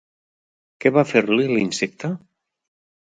Què va fer-li l'insecte?